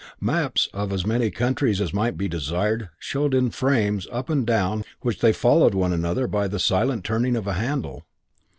Maps of as many countries as might be desired showed in frames up and down which they followed one another by the silent turning of a handle.